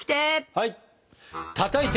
はい。